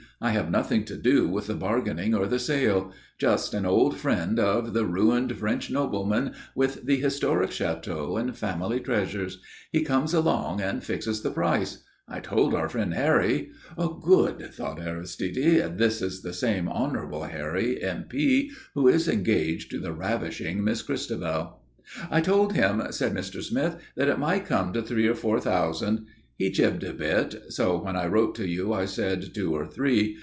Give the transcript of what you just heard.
I have nothing to do with the bargaining or the sale. Just an old friend of the ruined French nobleman with the historic château and family treasures. He comes along and fixes the price. I told our friend Harry " "Good," thought Aristide. "This is the same Honourable Harry, M.P., who is engaged to the ravishing Miss Christabel." "I told him," said Mr. Smith, "that it might come to three or four thousand. He jibbed a bit so when I wrote to you I said two or three.